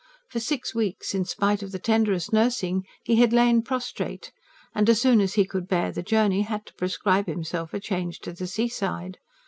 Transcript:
For six weeks, in spite of the tenderest nursing, he had lain prostrate, and as soon as he could bear the journey had to prescribe himself a change to the seaside.